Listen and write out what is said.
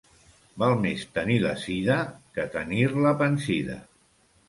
Val més tenir la sida que tenir-la pansida.